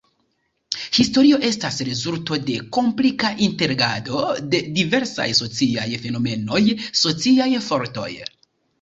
Historio estas rezulto de komplika interagado de diversaj sociaj fenomenoj, sociaj fortoj.